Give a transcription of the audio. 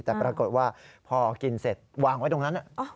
แต่ปรากฏว่าพอกินเสร็จวางไว้ตรงนั้น